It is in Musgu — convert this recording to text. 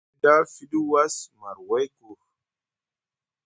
Eda fiɗi was marway koo.